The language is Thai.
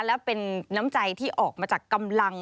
และเป็นน้ำใจที่ออกมาจากกำลัง